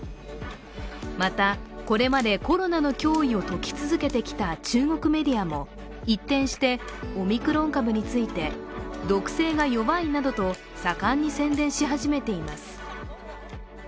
また、これまでコロナの脅威を説き続けてきた中国メディアも一転してオミクロン株について毒性が弱いなどと盛んに宣伝し始めています。